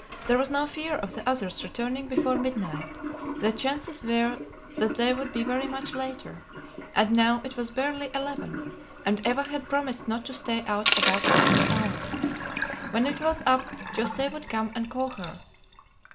There was no fear of the others returning before midnight; the chances were that they would be very much later; and now it was barely eleven, and Eva had promised not to stay out above half an hour. When it was up José would come and call her.